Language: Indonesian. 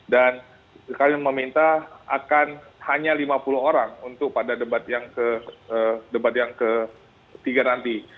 dan kami meminta akan hanya lima puluh orang untuk pada debat yang ketiga nanti